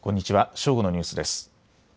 正午のニュースです。